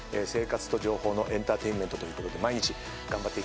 生活と情報のエンターテインメントということで。